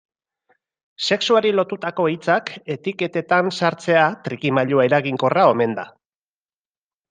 Sexuari lotutako hitzak etiketetan sartzea trikimailu eraginkorra omen da.